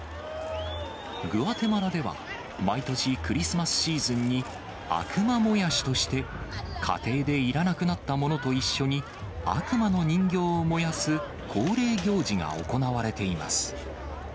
グアテマラでは、毎年クリスマスシーズンに、悪魔燃やしとして、家庭でいらなくなったものと一緒に、悪魔の人形を燃やす恒例行事が行われています。